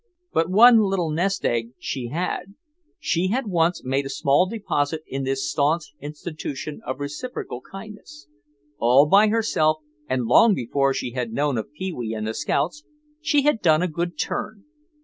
But one little nest egg she had. She had once made a small deposit in this staunch institution of reciprocal kindness. All by herself, and long before she had known of Pee wee and the scouts, she had done a good turn.